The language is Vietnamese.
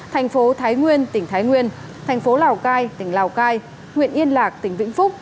thành phố thái nguyên tỉnh thái nguyên thành phố lào cai tỉnh lào cai huyện yên lạc tỉnh vĩnh phúc